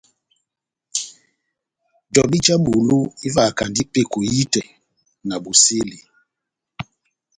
Jobi já bulu ivahakandi peko ehitɛ na bosɛli.